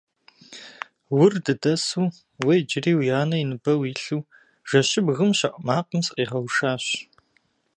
Ур дыдэсу, уэ иджыри уи анэ и ныбэ уилъу, жэщыбгым щэӀу макъым сыкъигъэушащ.